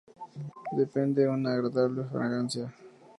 Desprende un agradable fragancia.